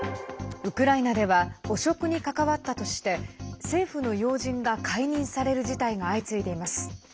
ウクライナでは汚職に関わったとして政府の要人が解任される事態が相次いでいます。